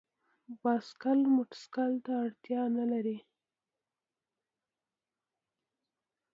بایسکل موټرسایکل ته اړتیا نه لري.